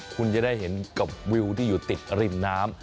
คุณจะได้เห็นกับวิวที่อยู่ติดริมน้ำ